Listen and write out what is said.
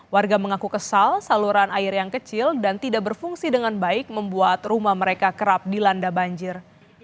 warga mengaku kesal saluran air yang kecil dan tidak berfungsi dengan baik membuat rumah mereka kerap dilanda banjir